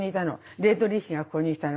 ディートリヒがここに来たの。